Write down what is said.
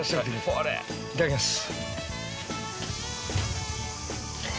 いただきます。